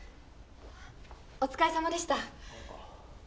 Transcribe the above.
お疲れさまでした。